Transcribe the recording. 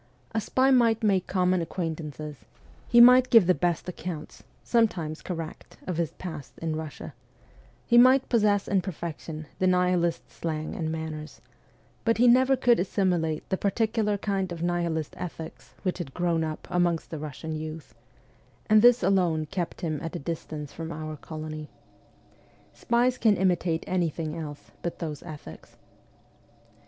A spy might make common acquaintances ; he might give the best accounts, sometimes correct, of his past in Russia ; he might possess in perfection the nihilist slang and manners, but he never could assimilate the particular kind of nihilist ethics which had grown up amongst the Russian youth and this alone kept him at a distance from our colony. Spies can imitate anything else but those ethics.